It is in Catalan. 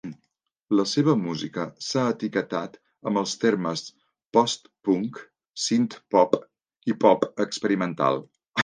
La seva música s'ha etiquetat amb els termes post-punk, synthpop i pop experimental.